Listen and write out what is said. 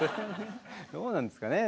どうなんですかね？